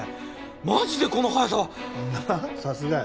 マジでこの速さ！な？